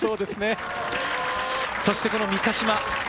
そして三ヶ島。